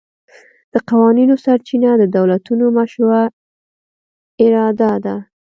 د قوانینو سرچینه د دولتونو مشروعه اراده ده